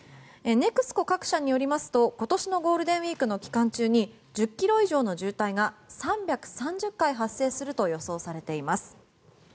各社によりますと今年のゴールデンウィークの期間中に１０ｋｍ以上の渋滞が３３０回発生すると予想されています。